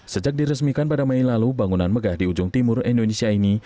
sejak diresmikan pada mei lalu bangunan megah di ujung timur indonesia ini